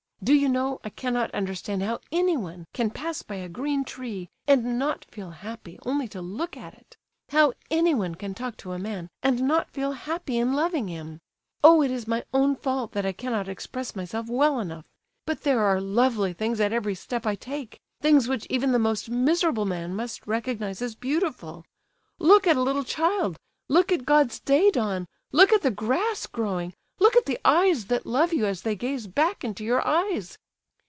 Do you know, I cannot understand how anyone can pass by a green tree, and not feel happy only to look at it! How anyone can talk to a man and not feel happy in loving him! Oh, it is my own fault that I cannot express myself well enough! But there are lovely things at every step I take—things which even the most miserable man must recognize as beautiful. Look at a little child—look at God's day dawn—look at the grass growing—look at the eyes that love you, as they gaze back into your eyes!"